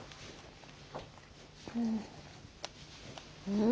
うん。